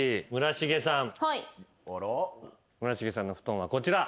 村重さんのフトンはこちら。